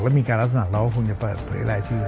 แล้วมีการลักษณะเราก็คงจะเปิดเผยรายชื่อ